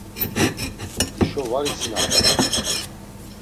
Hişo var isinapinen.